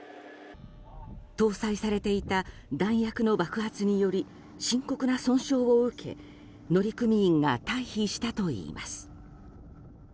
搭載されていた弾薬の爆発により深刻な損傷を受け乗組員が退避したといいます。